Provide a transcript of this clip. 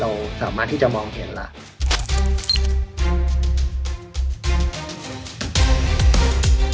เราสามารถที่จะมองเห็นแล้ว